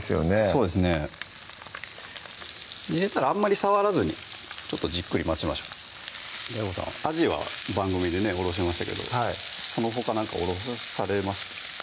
そうですね入れたらあんまり触らずにじっくり待ちましょうＤＡＩＧＯさんあじは番組でおろしましたけどそのほか何かおろされました？